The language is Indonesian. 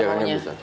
di set dia